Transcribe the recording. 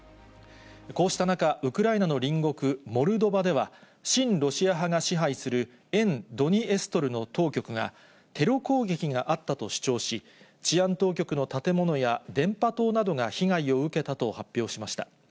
こうした中、ウクライナの隣国モルドバでは、親ロシア派が支配する沿ドニエストルの当局が、テロ攻撃があったと主張し、治安当局の建物や電波塔などが被害を受けたと発表しました。